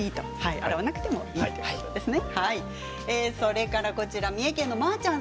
洗わなくてもいいということですね。